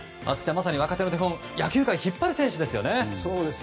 まさに野球の手本野球界を引っ張る存在ですよね。